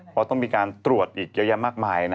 เพราะต้องมีการตรวจอีกเยอะแยะมากมาย